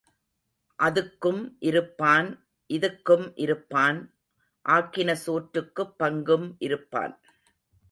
அதுக்கும் இருப்பான், இதுக்கும் இருப்பான், ஆக்கின சோற்றுக்குப் பங்கும் இருப்பான்.